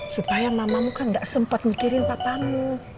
supaya mamamu kan gak sempat mikirin papamu